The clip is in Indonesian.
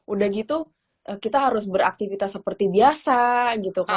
udah gitu kita harus beraktivitas seperti biasa gitu kan